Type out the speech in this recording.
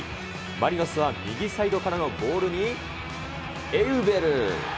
マリノスは右サイドからのボールに、エウベル。